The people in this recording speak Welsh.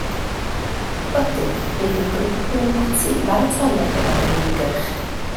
Wedyn bydd ein grŵp yn mynd ati i baratoi ar gyfer yr ymgyrch